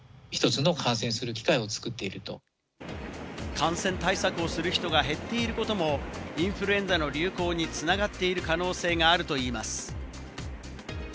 感染対策をする人が減っていることもインフルエンザの流行に繋がっている可能性があるといいます。